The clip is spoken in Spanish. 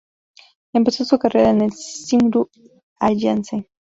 Empezó su carrera en el Cymru Alliance.